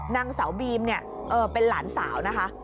นางสาวบีมเนี่ยเป็นหลานสาวนะคะ